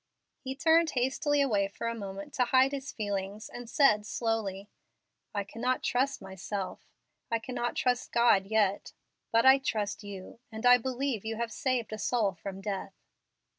He turned hastily away for a moment to hide his feelings, and said, slowly, "I cannot trust myself I cannot trust God yet; but I trust you, and I believe you have saved a soul from death."